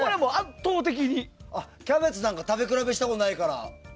キャベツなんか食べ比べしたことないから。